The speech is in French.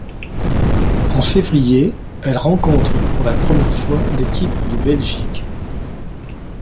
En février, elle rencontre pour la première fois l'équipe de Belgique.